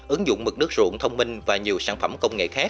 ứng dụng mực nước ruộng thông minh và nhiều sản phẩm công nghệ khác